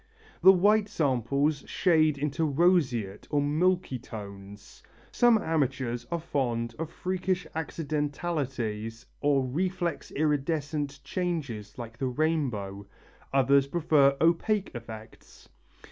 The white samples shade into roseate or milky tones. Some amateurs are fond of freakish accidentalities or reflex iridescent changes like the rainbow, others prefer opaque effects.